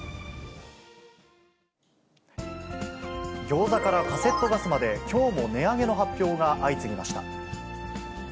ギョーザからカセットガスまで、きょうも値上げの発表が相次ぎました。